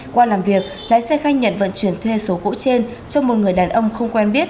qua làm việc lái xe khai nhận vận chuyển thuê số gỗ trên cho một người đàn ông không quen biết